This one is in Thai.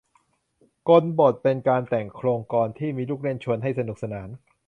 กลบท เป็นการแต่งโคลงกลอนที่มีลูกเล่นชวนให้สนุกสนาน